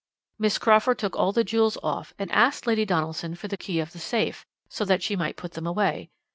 "'Miss Crawford took all the jewels off, and asked Lady Donaldson for the key of the safe, so that she might put them away.